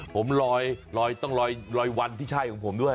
ผมลอยต้องลอยวันที่ใช่ของผมด้วย